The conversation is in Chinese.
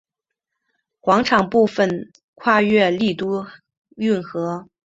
广场部分跨越丽都运河。